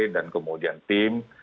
dan kemudian tim